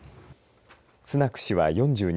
スナク氏は４２歳。